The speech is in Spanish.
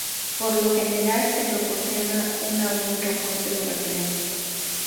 Por lo general, se proporciona una única fuente de referencia.